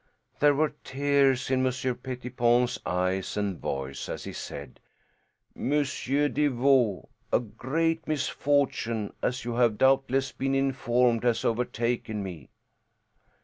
There were tears in Monsieur Pettipon's eyes and voice as he said, "Monsieur Deveau, a great misfortune, as you have doubtless been informed, has overtaken me."